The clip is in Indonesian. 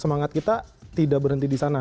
semangat kita tidak berhenti di sana